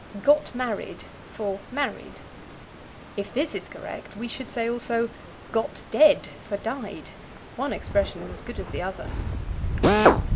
Got Married for Married. If this is correct we should say, also, "got dead" for died; one expression is as good as the other.